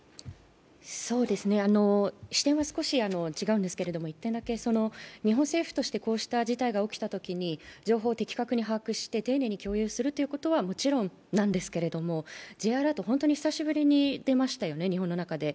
視点は少し違うんですけれども１点だけ、日本政府としてこうした事態が起きたときに情報を的確に把握して丁寧に共有するということはもちろんなんですけれども、Ｊアラート、本当に久しぶりに出ましたよね、日本の中で。